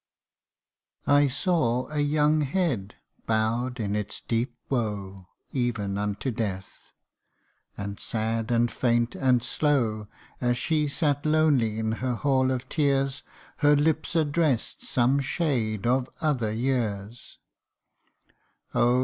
" I saw a young head bow'd in its deep woe, Ev'n unto death ; and sad, and faint, and slow, As she sat lonely in her hall of tears, Her lips address'd some shade of other years :' Oh